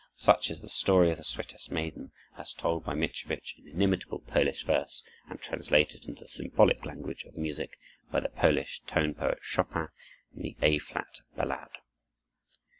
Such is the story of the Switez maid, as told by Mickiewicz in inimitable Polish verse, and translated into the symbolic language of music by the Polish tone poet, Chopin, in the A flat ballade.